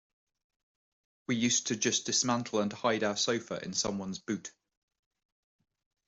We used to just dismantle and hide our sofa in someone's boot.